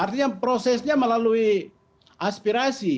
artinya prosesnya melalui aspirasi